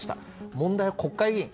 問題は国会議員。